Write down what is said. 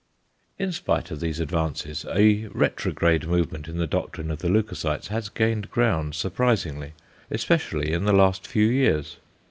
In spite of these advances, a retrograde movement in the doctrine of the leucocytes has gained ground surprisingly, especially in the last few years.